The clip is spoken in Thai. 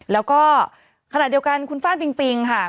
แล้วก็ขณะเดียวกันคุณฟ่านปิงปิงค่ะ